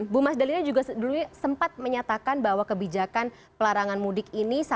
bu mas dalina juga dulu sempat menyatakan bahwa kebijakan pelarangan mudik ini